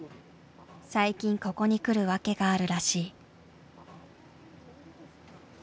最近ここに来る訳があるらしい。